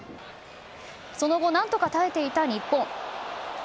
その後、何とか耐えていた日本。